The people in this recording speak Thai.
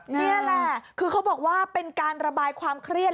นี่แหละคือเขาบอกว่าเป็นการระบายความเครียด